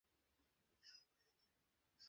সূর্য দেখা যাচ্ছে না।